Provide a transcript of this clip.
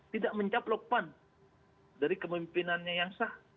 tidak mencaplokkan dari kemimpinannya yang sah